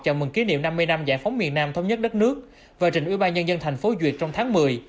chào mừng kỷ niệm năm mươi năm giải phóng miền nam thống nhất đất nước và trình ubnd tp duyệt trong tháng một mươi